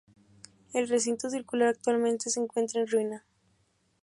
El recinto, circular, actualmente se encuentra en ruina.